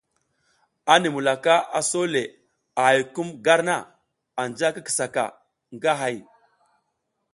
Anti mulaka a so le a hay kum gar na, anja ki kisa ka nga hay.